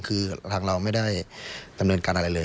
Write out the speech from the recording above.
คือทางเราไม่ได้ดำเนินการอะไรเลย